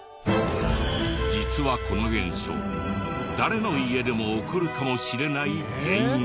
実はこの現象誰の家でも起こるかもしれない原因が。